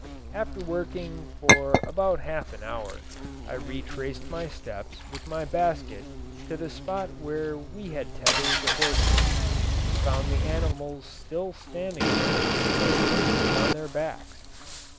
After working for about half an hour, I retraced my steps with my basket to the spot where we had tethered the horses, and found the animals still standing there with their burdens on their backs.